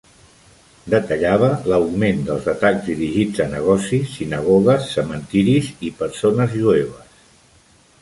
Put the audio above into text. Detallava l'augment dels atacs dirigits a negocis, sinagogues, cementiris i persones jueves.